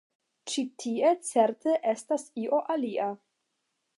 Ĉi tie, certe, estas io alia.